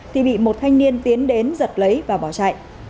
thì bị một thanh niên tiến đến giật lấy và bỏ chạy